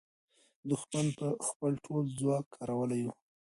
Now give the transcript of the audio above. دښمن خپل ټول ځواک کارولی وو.